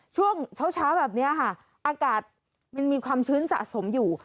ช่วงเช้าแบบนี้ค่ะอากาศมันมีความชื้นสะสมอยู่